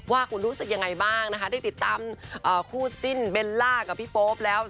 ว่าคุณรู้สึกยังไงบ้างนะคะได้ติดตามคู่จิ้นเบลล่ากับพี่โป๊ปแล้ว